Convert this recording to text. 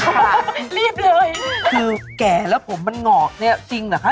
ค่ะรีบเลยคือแก่แล้วผมมันหงอกเนี่ยจริงเหรอคะ